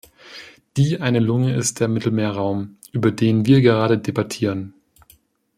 Die eine Lunge ist der Mittelmeerraum, über den wir gerade debattieren.